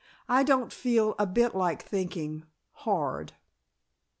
"I don't feel a bit like thinking hard."